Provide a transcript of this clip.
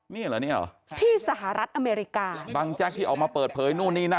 นี่เหรอเนี่ยเหรอที่สหรัฐอเมริกาบังแจ๊กที่ออกมาเปิดเผยนู่นนี่นั่น